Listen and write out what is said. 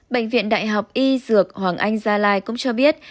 bệnh viện đại học y dược hoàng anh gia lai cũng cho biết